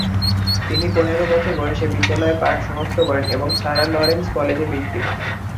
তিনি পনেরো বছর বয়সে বিদ্যালয়ের পাঠ সমাপ্ত করেন এবং সারা লরেন্স কলেজে বৃত্তি পান।